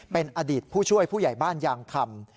เป็นอดีตผู้ช่วยผู้ใหญ่บ้านยางคำ